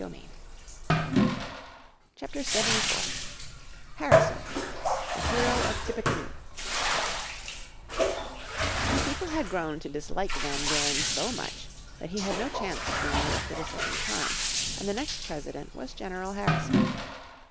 __________ Chapter 74 Harrison The Hero of Tippecanoe People had grown to dislike Van Buren so much that he had no chance of being elected a second time, and the next President was General Harrison.